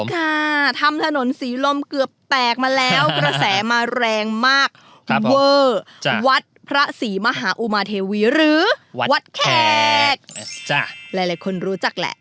หลายคนรู้จักแล้ว